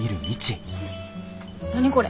何これ。